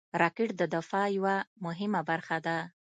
راکټ د دفاع یوه مهمه برخه ده